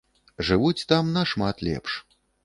Жывуць там нашмат лепш.